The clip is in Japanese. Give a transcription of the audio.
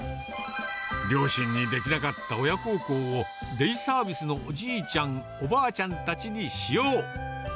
両親にできなかった親孝行を、デイサービスのおじいちゃん、おばあちゃんたちにしよう。